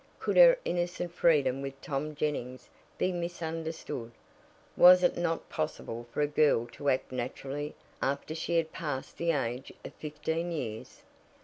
Could her innocent freedom with Tom Jennings be misunderstood? Was it not possible for a girl to act naturally after she had passed the age of fifteen years?